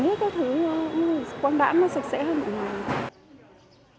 mọi người cũng quang đãn sạch sẽ hơn mọi người